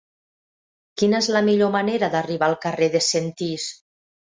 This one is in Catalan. Quina és la millor manera d'arribar al carrer de Sentís?